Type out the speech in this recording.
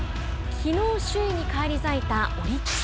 きのう首位に返り咲いたオリックス。